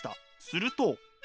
すると。